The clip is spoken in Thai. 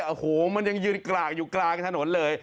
โอ้โหมันยังยืนกลางอยู่กลางถนนเลย